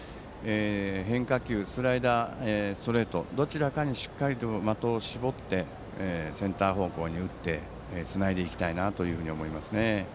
変化球、ストレートどちらかにしっかりと的を絞ってセンター方向に打ってつないでいきたいなと思いますね。